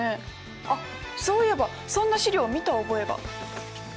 あっそういえばそんな資料を見た覚えが。